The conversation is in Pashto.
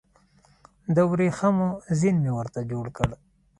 د وریښمو زین مې ورته جوړ کړ